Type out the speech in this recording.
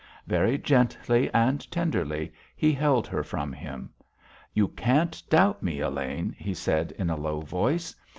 Very gently and tenderly he held her from him. "You can't doubt me, Elaine," he said, in a low voice.